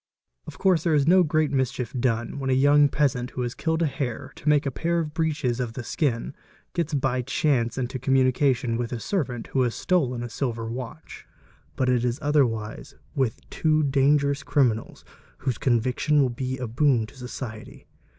Of course there is no great mischief done when a young. peasant who has killed a hare to make a pair of breeches of the skin gets by chance — into communication with a servant who has stolen a silver watch; but 16 is otherwise with two dangerous criminals whose conviction will be a — boon to society.